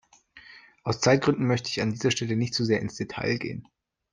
Aus Zeitgründen möchte ich an dieser Stelle nicht zu sehr ins Detail gehen.